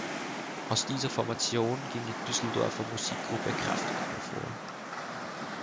Aus dieser Formation ging die Düsseldorfer Musikgruppe Kraftwerk hervor.